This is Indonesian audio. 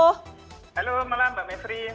halo malam mbak mephri